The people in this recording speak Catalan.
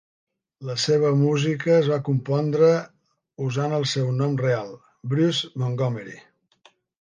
La seva música es va compondre usant el seu nom real, Bruce Montgomery.